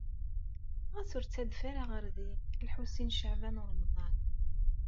Ɣas ur ttadef ara ɣer din, a Lḥusin n Caɛban u Ṛemḍan.